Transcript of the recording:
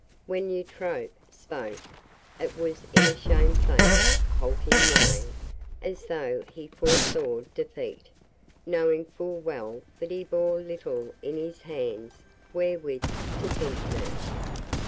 When Eutrope spoke, it was in a shamefaced halting way, as though he foresaw defeat, knowing full well that he bore little in his hands wherewith to tempt her.